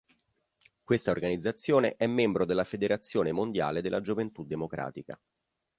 Questa organizzazione è membro della Federazione Mondiale della Gioventù Democratica.